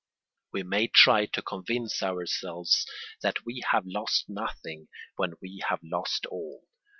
We may try to convince ourselves that we have lost nothing when we have lost all.